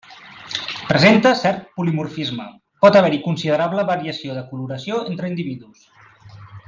Presenta cert polimorfisme, pot haver-hi considerable variació de coloració entre individus.